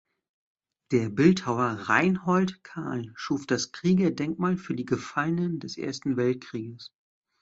Der Bildhauer Reinhold Carl schuf das Kriegerdenkmal für die Gefallenen des Ersten Weltkrieges.